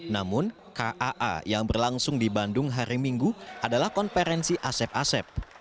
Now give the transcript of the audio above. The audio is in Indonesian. namun kaa yang berlangsung di bandung hari minggu adalah konferensi asep asep